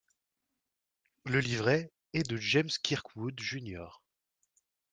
Le livret est de James Kirkwood Jr.